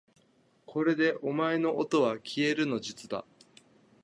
これでお前のおとはきえるの術だ